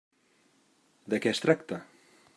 De què es tracta?